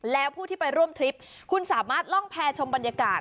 แล้วผู้ที่ไปร่วมทริปคุณสามารถล่องแพรชมบรรยากาศ